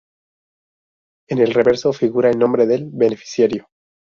En el reverso, figura el nombre del beneficiario.